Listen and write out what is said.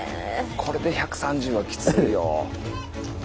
これで１３０はきついよ。